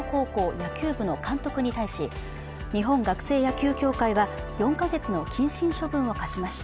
野球部の監督に対し日本学生野球協会は４か月の謹慎処分を科しました。